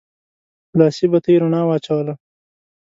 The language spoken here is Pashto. لاسي بتۍ رڼا واچوله.